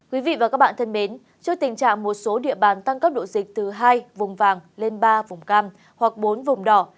quý vị và các bạn thân mến trước tình trạng một số địa bàn tăng cấp độ dịch từ hai vùng vàng lên ba vùng cam hoặc bốn vùng đỏ